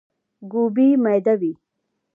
ګوبی ميده وي.